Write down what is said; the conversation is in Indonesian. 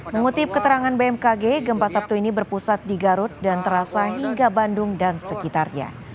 mengutip keterangan bmkg gempa sabtu ini berpusat di garut dan terasa hingga bandung dan sekitarnya